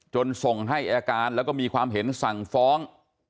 ส่งให้อายการแล้วก็มีความเห็นสั่งฟ้อง